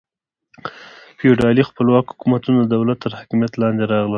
فیوډالي خپلواک حکومتونه د دولت تر حاکمیت لاندې راغلل.